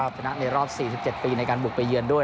ชนะในรอบ๔๗ปีในการบุกไปเยือนด้วย